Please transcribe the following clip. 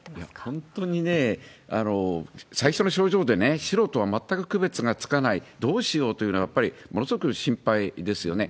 本当にね、最初の症状でね、シロとは全く区別がつかない、どうしようというのが、やっぱりものすごく心配ですよね。